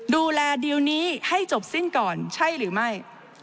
ดูแลดีลนี้ให้จบสิ้นก่อนใช่หรือไม่